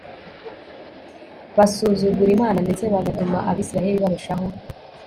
basuzugura Imana ndetse bagatuma Abisirayeli barushaho